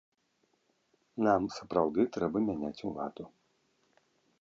Нам сапраўды трэба мяняць уладу.